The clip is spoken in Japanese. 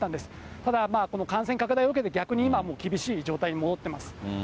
ただこの感染拡大を受けて、逆に今、厳しい状態に戻ってます。